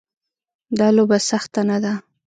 دا لوبه سخته نه ده.